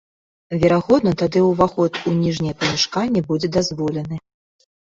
Верагодна, тады ўваход у ніжняе памяшканне будзе дазволены.